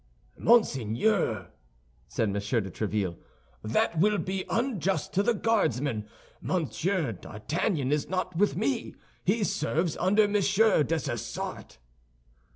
"Monseigneur," said M. de Tréville, "that will be unjust to the Guardsmen. Monsieur d'Artagnan is not with me; he serves under Monsieur Dessessart."